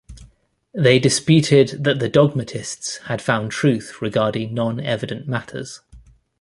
They disputed that the dogmatists had found truth regarding non-evident matters.